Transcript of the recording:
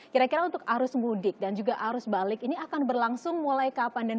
kira kira untuk arus mudik dan juga arus balik ini akan berlangsung mulai kapan dan